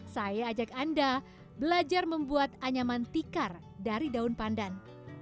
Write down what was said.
saya ajak anda belajar membuat anyaman tikar dari daun pandan